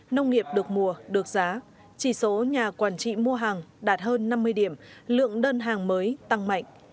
nông nghiệp được mùa được giá chỉ số nhà quản trị mua hàng đạt hơn năm mươi điểm lượng đơn hàng mới tăng mạnh